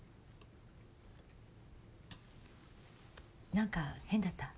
何か変だった？